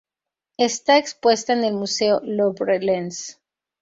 Está expuesta en el museo Louvre-Lens.